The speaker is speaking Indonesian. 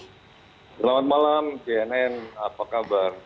selamat malam cnn apa kabar